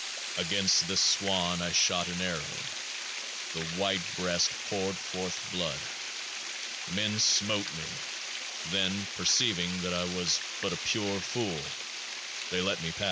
Against this Swan I shot an arrow ; the white breast poured forth blood. Men smote me ; then, perceiving that I was but a Pure Fool, they let me pass.